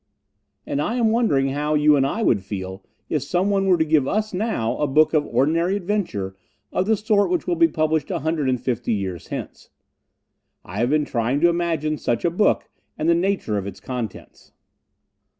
And I am wondering how you and I would feel if someone were to give us now a book of ordinary adventure of the sort which will be published a hundred and fifty years hence. I have been trying to imagine such a book and the nature of its contents.